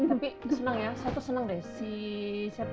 tapi senang ya saya tuh senang deh si